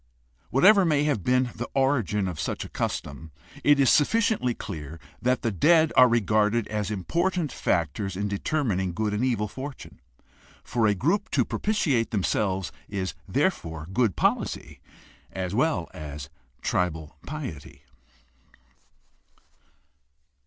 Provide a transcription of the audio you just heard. Whatever may have been the origin of such a custom, it is sufficiently clear that the dead are regarded as important factors in determining good and evil fortune. For a group to propitiate them is therefore good policy as well as tribal piety.